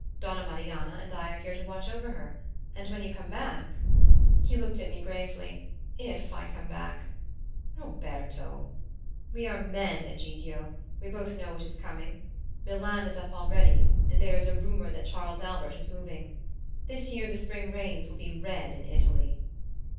Donna Marianna and I are here to watch over her. And when you come back " He looked at me gravely. "If I come back " "Roberto!" "We are men, Egidio; we both know what is coming. Milan is up already; and there is a rumor that Charles Albert is moving. This year the spring rains will be red in Italy."